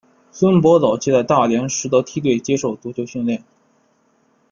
孙铂早期在大连实德梯队接受足球训练。